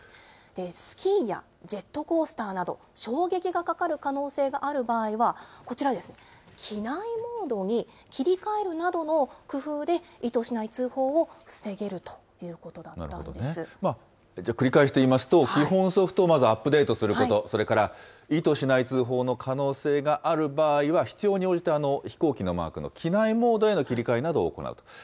スキーやジェットコースターなど、衝撃がかかる可能性がある場合は、こちらですね、機内モードに切り替えるなどの工夫で、意図しない通報を防げるということだったん繰り返して言いますと、基本ソフトをまずアップデートすること、それから意図しない通報の可能性がある場合は、必要に応じて飛行機のマークの機内モードへの切り替えなどを行うと。